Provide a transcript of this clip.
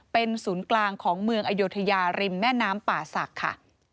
เป็นศูนย์กลางของเมืองอโยธยาริมแม่น้ำป่าศักดิ์ค่ะ